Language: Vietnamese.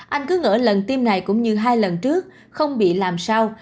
anh cứ ngỡ lần tiêm này cũng như hai lần trước không bị làm sao